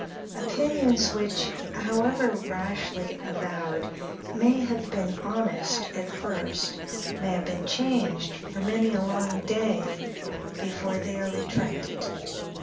Opinions which, however rashly avowed, may have been honest at first, may have been changed for many a long day before they are retracted.